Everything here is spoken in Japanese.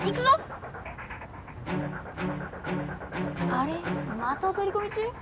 あれまたおとりこみ中？